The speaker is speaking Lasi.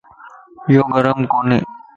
يو گھر مَ ڪوني